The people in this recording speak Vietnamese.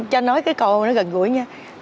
cho nói cái cầu gần gũi nha